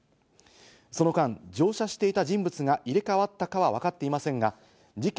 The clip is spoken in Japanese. その間、乗車していた人物が入れ替わったかは分かっていませんが、事件